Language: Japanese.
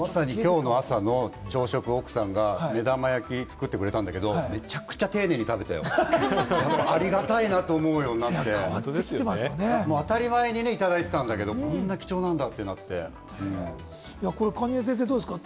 今日の朝、朝食、奥さんが目玉焼き作ってくれたんだけど、丁寧に食べたよ、ありがたいなと思うようになって、当たり前にいただいていたんだけど、こんなに貴重なんだとなって、蟹江先生、どうですか？